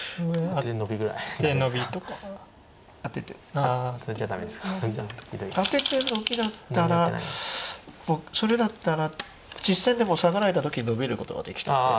アテてノビだったらそれだったら実戦でもサガられた時ノビることができたので。